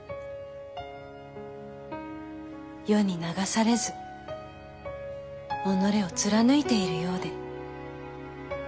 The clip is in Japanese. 世に流されず己を貫いているようで。